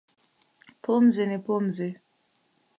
Pumzi ni pumzi